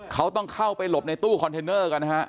เขาต้องเข้าไปหลบในตู้คอนเทนเนอร์กันนะฮะ